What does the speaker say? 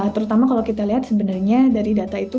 terutama kalau kita lihat sebenarnya dari data itu